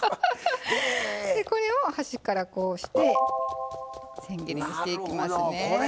でこれを端からこうしてせん切りにしていきますね。